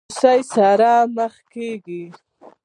د مايوسۍ سره مخ کيږي